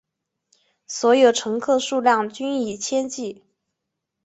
所有乘客数量均以千计。